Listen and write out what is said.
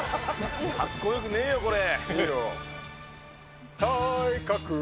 かっこよくねえよ、これ。